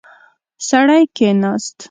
سړی کېناست.